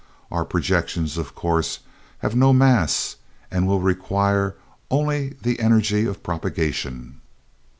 Our projections, of course, have no mass, and will require only the energy of propagation."